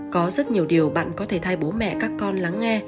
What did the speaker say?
có rất nhiều điều bạn có thể thay bố mẹ các con lắng nghe